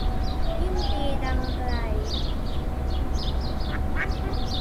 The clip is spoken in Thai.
ยิ่งตีดังไกล